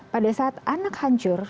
pada saat anak hancur